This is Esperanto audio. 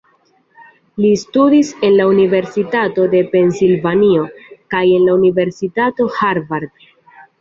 Li studis en la Universitato de Pensilvanio kaj en la Universitato Harvard.